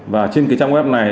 và trên trang web này